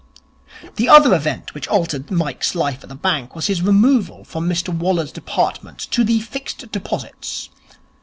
The other event which altered Mike's life in the bank was his removal from Mr Waller's department to the Fixed Deposits.